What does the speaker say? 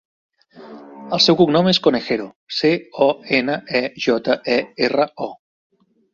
El seu cognom és Conejero: ce, o, ena, e, jota, e, erra, o.